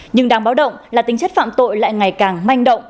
nhưng đáng báo động là tính chất phạm tội lại ngày càng manh động